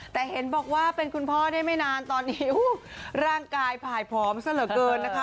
แต่เห็นบอกว่าเป็นคุณพ่อได้ไม่นานตอนนี้ร่างกายผ่ายผอมซะเหลือเกินนะคะ